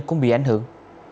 cũng bị ảnh hưởng